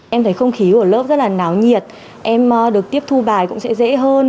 em thấy không khí của lớp rất là náo nhiệt em được tiếp thu bài cũng sẽ dễ hơn